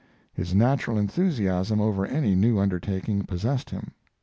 His natural enthusiasm over any new undertaking possessed him.